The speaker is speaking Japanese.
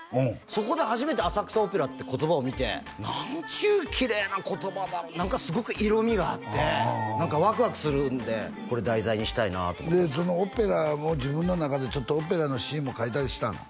そこで初めて「浅草オペラ」って言葉を見て何ちゅうきれいな言葉だろう何かすごく色みがあって何かわくわくするんでこれ題材にしたいなとそのオペラを自分の中でオペラの詞も書いたりしたの？